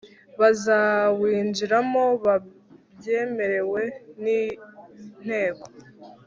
bazawinjiramo babyemerewe n Inteko